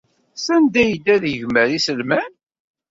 Sanda ay yedda ad yegmer iselman?